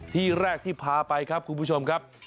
ที่แรกที่พาไปครับคุณผู้ชมครับ